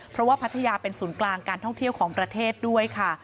เพราะว่าพัทยาเป็นศูนย์กลางการท่องเที่ยวของประเทศด้วยค่ะ